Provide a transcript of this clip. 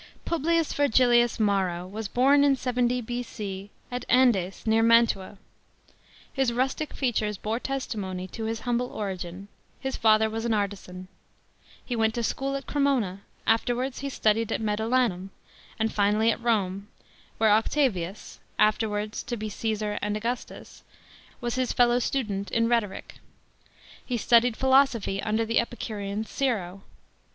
S 2. PUBLICS VERGILLIUS t MARO was born in 70 B.C. at Andes, near Mantua. His rustic features bore tes imcny to his humble origin : his father was an 'artisan. He went to school at Cremona ; afterwards he studied at Med olanum, and finally at Rome, where Octavius, afterwards to be Caesar and Augustus, was his fellow studeut in rhetoric. He studied philosophy under ti e Epicurean Siro.